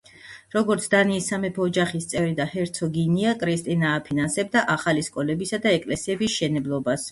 როგორც დანიის სამეფო ოჯახის წევრი და ჰერცოგინია, კრისტინა აფინანსებდა ახალი სკოლებისა და ეკლესიების მშენებლობას.